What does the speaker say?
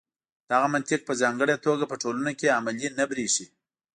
دغه منطق په ځانګړې توګه په ټولنو کې عملي نه برېښي.